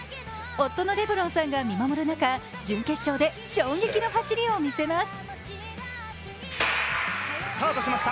夫のレブロンさんが見守る中、決勝で衝撃の走りを見せます。